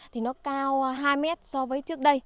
thì nó cao hai mét so với trước đây